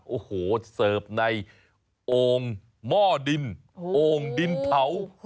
โอ้โหเสิร์ฟในโอ่งหม้อดินโอ่งดินเผา